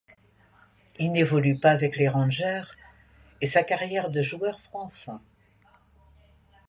Il n'évolue pas avec les Rangers et sa carrière de joueur prend fin.